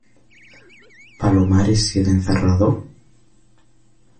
¿ palomares sigue encerrado?